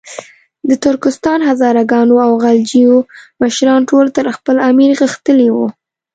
د ترکستان، هزاره ګانو او غلجیو مشران ټول تر خپل امیر غښتلي وو.